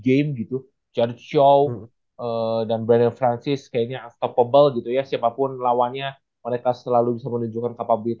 aj ada di lapangan